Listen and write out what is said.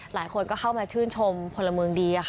หลายคนก็เข้ามาชื่นชมพลเมืองดี